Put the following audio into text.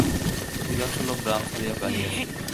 অধিকাংশ লোক গ্রাম ছাড়িয়া পালাইয়াছে।